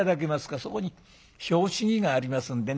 そこに拍子木がありますんでね